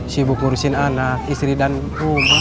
sibuk ngurusin anak istri dan rumah